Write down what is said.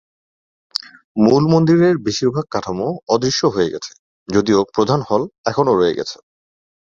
মূল মন্দিরের বেশিরভাগ কাঠামো অদৃশ্য হয়ে গেছে, যদিও প্রধান হল এখনও রয়ে গেছে।